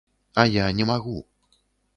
А я не магу.